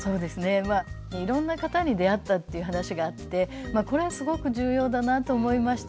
いろんな方に出会ったっていう話があってこれすごく重要だなと思いました。